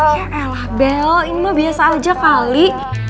ya elah bel ini mah biasa aja kali